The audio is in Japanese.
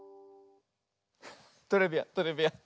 トレビアントレビアン。